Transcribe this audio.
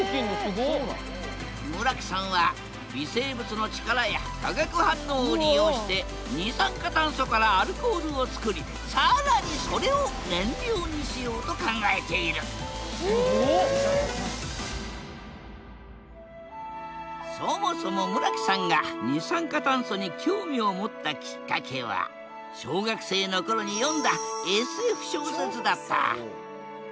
村木さんは微生物の力や化学反応を利用して二酸化炭素からアルコールを作り更にそれを燃料にしようと考えているそもそも村木さんが二酸化炭素に興味を持ったきっかけは小学生の頃に読んだＳＦ小説だった。